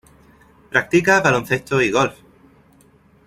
Practica baloncesto y golf.